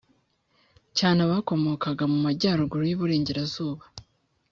cyane abakomokaga mu majyaruguru y' uburengerazuba,